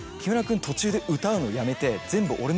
君途中で歌うのやめて。